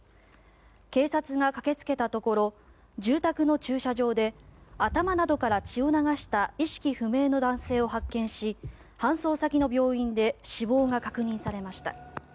警察が駆けつけたところ住宅の駐車場で頭などから血を流した意識不明の男性を発見し搬送先の病院で死亡が確認されました。